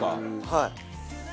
はい。